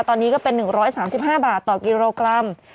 ตอนนี้ก็เป็น๑๓๕บาทต่อกิโลกรัม